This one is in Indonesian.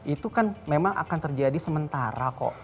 itu kan memang akan terjadi sementara kok